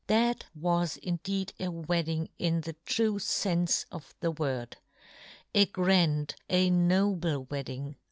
That was indeed a wedding in the true fenfe of the word ! A grand, a noble wedding